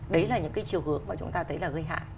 đấy là những cái chiều hướng mà chúng ta thấy là gây hại